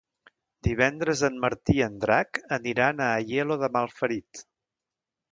Divendres en Martí i en Drac aniran a Aielo de Malferit.